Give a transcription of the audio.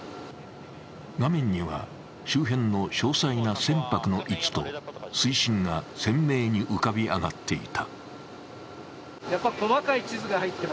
画面には周辺の詳細な船舶の位置と水深が鮮明に浮かび上がっていた。